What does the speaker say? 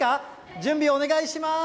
準備お願いします。